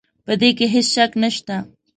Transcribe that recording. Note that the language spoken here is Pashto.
په دې کې هېڅ شک نه شته.